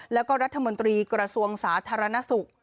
แล้วก็รัฐมนตรีกระทรวงสาธารณสุข